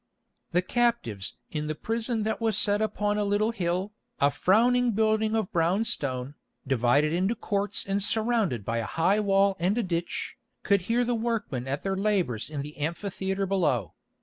The captives in the prison that was set upon a little hill, a frowning building of brown stone, divided into courts and surrounded by a high wall and a ditch, could hear the workmen at their labours in the amphitheatre below.